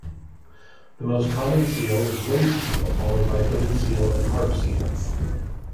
The most common seal is ringed seal, followed by hooded seal and harp seal.